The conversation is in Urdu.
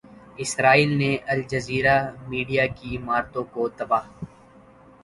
اسرائیل نے الجزیرہ میڈیا کی عمارتوں کو تباہ